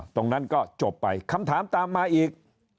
ตรงนั้นก็จบไปคำถามตามมาอีก